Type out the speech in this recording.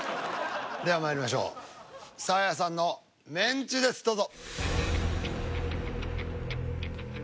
ではまいりましょうサーヤさんのメンチですどうぞ。